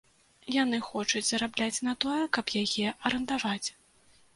Яны хочуць зарабляць на тое, каб яе арандаваць.